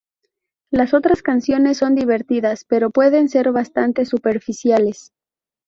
Las otras canciones son divertidas, pero pueden ser bastante superficiales.